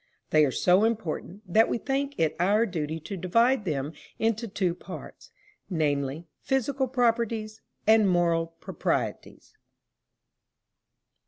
They are so important, that we think it our duty to divide them into two parts, namely; physical proprieties, and moral proprieties.